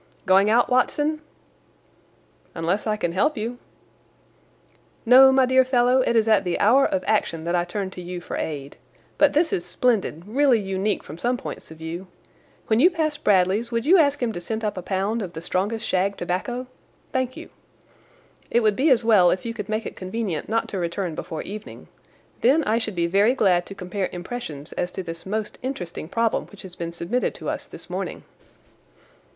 "Going out, Watson?" "Unless I can help you." "No, my dear fellow, it is at the hour of action that I turn to you for aid. But this is splendid, really unique from some points of view. When you pass Bradley's, would you ask him to send up a pound of the strongest shag tobacco? Thank you. It would be as well if you could make it convenient not to return before evening. Then I should be very glad to compare impressions as to this most interesting problem which has been submitted to us this morning."